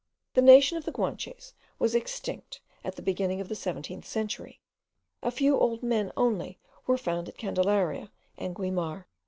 The nation of the Guanches was extinct at the beginning of the seventeenth century; a few old men only were found at Candelaria and Guimar.